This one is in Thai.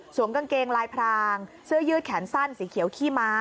กางเกงลายพรางเสื้อยืดแขนสั้นสีเขียวขี้ม้า